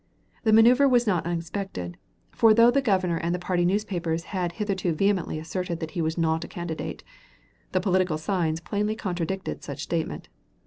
The maneuver was not unexpected, for though the Governor and the party newspapers had hitherto vehemently asserted he was not a candidate, the political signs plainly contradicted such statement.